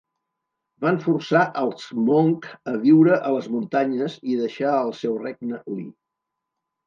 Van forçar els Hmong a viure a les muntanyes i deixar el seu regne Li.